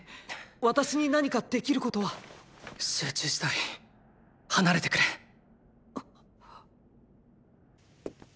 私に何かできることは⁉集中したい離れてくれ！っ！